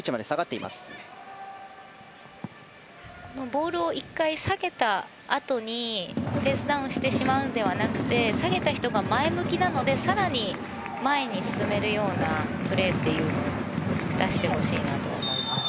ボールを１回、下げたあとにペースダウンしてしまうのではなくて下げた人が前向きなので更に前に進めるようなプレーというのを出してほしいなと思います。